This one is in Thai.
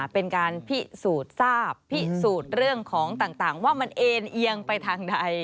เป็นการพิสูจน์ทราบพิสูจน์เรื่องของต่างว่ามันเอ็นเอียงไปทางใด